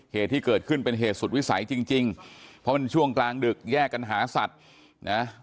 เหตุที่เกิดขึ้นเป็นเหตุสุดวิสัยจริงจริงเพราะมันช่วงกลางดึกแยกกันหาสัตว์นะ